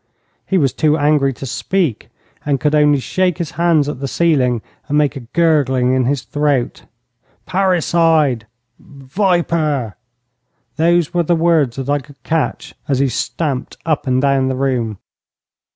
He was too angry to speak, and could only shake his hands at the ceiling and make a gurgling in his throat. 'Parricide! Viper!' those were the words that I could catch as he stamped up and down the room.